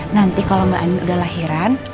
nanti kalau mbak ani udah lahiran